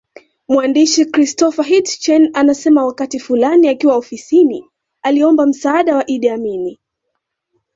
Mwandishi Christopher Hitchens anasema wakati fulani akiwa ofisini aliomba msaada wa Idi Amin